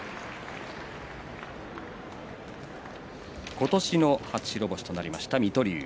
今年の初白星となりました水戸龍。